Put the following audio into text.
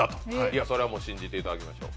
それは信じていただきましょう。